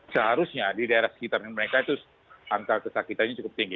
seharusnya di daerah sekitar mereka itu angka kesakitannya cukup tinggi